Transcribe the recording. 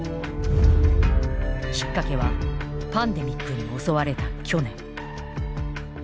きっかけはパンデミックに襲われた去年。